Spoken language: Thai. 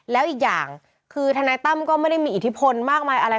แล้วอีกอย่างคือทนายตั้มก็ไม่ได้มีอิทธิพลมากมายอะไร